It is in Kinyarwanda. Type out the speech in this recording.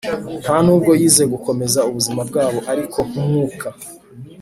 ntanubwo yize gukomeza ubuzima bwabo ariko nk'umwuka -